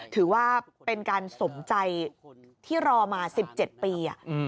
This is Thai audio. ถือว่าเป็นการสมใจที่รอมา๑๗ปี